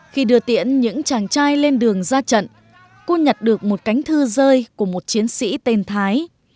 khi đưa tiễn những chàng trai lên đường ra trận cô nhặt được một cánh thư rơi của một chiến sĩ tên thái